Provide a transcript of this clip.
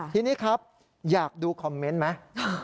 ทีนี้ครับอยากดูคอมเมนต์ไหม